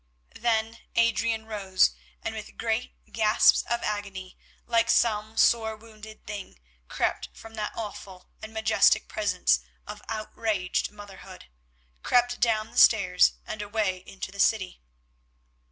Then Adrian rose and with great gasps of agony, like some sore wounded thing, crept from that awful and majestic presence of outraged motherhood, crept down the stairs and away into the city.